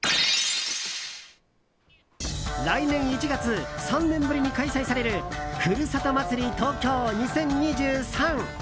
来年１月３年ぶりに開催されるふるさと祭り東京２０２３。